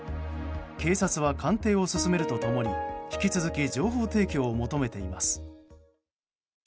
警察は鑑定を進めると共に引き続き情報提供を求めています。